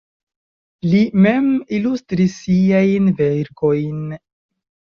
Li mem ilustris siajn verkojn.